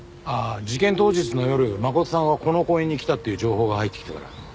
事件当日の夜真琴さんがこの公園に来たっていう情報が入ってきたから。